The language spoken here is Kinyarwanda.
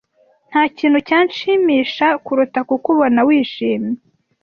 Ntakintu cyanshimisha kuruta kukubona wishimye.